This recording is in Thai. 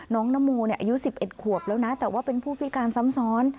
นโมอายุ๑๑ขวบแล้วนะแต่ว่าเป็นผู้พิการซ้ำซ้อน